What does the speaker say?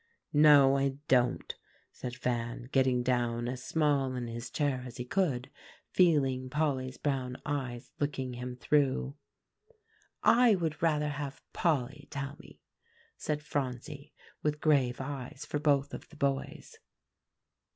"No, I don't," said Van, getting down as small in his chair as he could, feeling Polly's brown eyes looking him through. "I would rather have Polly tell me," said Phronsie with grave eyes for both of the boys.